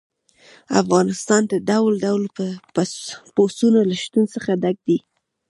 افغانستان د ډول ډول پسونو له شتون څخه ډک دی.